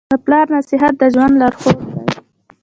د پلار نصیحت د ژوند لارښود دی.